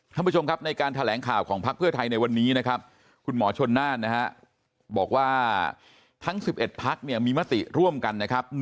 ท่านผู้ชมครับในการแถลงข่าวของพักเพื่อไทยในวันนี้นะครับคุณหมอชนน่านนะฮะบอกว่าทั้ง๑๑พักเนี่ยมีมติร่วมกันนะครับ